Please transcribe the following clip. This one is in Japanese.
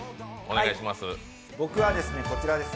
僕はこちらです。